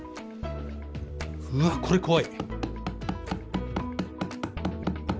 うわっこれ怖い。